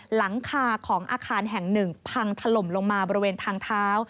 หลังคาของอาคารแห่งหนึ่งพังถล่มลงมาบริเวณทางเท้า